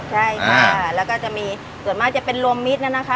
ใช่ค่ะแล้วก็จะมีส่วนมากจะเป็นรวมมิตรนะคะ